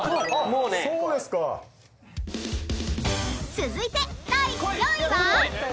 ［続いて第４位は］ＯＫ！